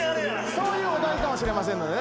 そういうお題かもしれませんのでね